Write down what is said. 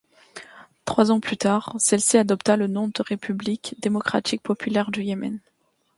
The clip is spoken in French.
Trois ans plus tard, celle-ci adopta le nom de République démocratique populaire du Yémen.